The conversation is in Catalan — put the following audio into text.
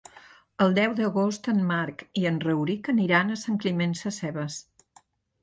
El deu d'agost en Marc i en Rauric aniran a Sant Climent Sescebes.